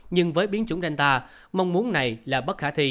nhưng với biến chủng delta mong muốn này là bất khả thi